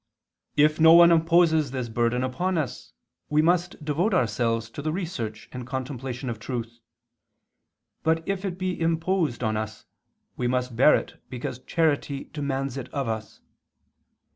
"If no one imposes this burden upon us we must devote ourselves to the research and contemplation of truth, but if it be imposed on us, we must bear it because charity demands it of us.